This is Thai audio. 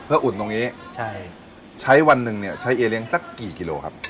อุ่นตรงนี้ใช่ใช้วันหนึ่งเนี่ยใช้เอเลี้ยงสักกี่กิโลครับ